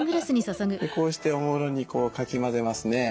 こうしておもむろにかき混ぜますね。